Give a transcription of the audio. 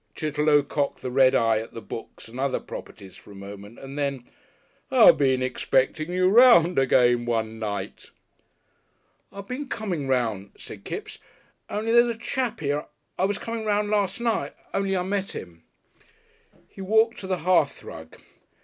Chitterlow cocked the red eye at the books and other properties for a moment and then, "I've been expecting you 'round again one night." "I been coming 'round," said Kipps. "On'y there's a chap 'ere . I was coming 'round last night on'y I met 'im." He walked to the hearthrug.